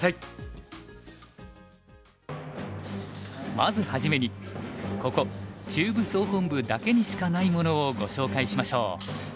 まず初めにここ中部総本部だけにしかないものをご紹介しましょう。